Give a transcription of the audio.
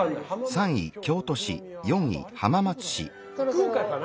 福岡かな？